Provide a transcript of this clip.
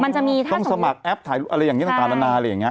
มันจะมีทั้งต้องสมัครแอปถ่ายอะไรอย่างนี้ต่างนานาอะไรอย่างนี้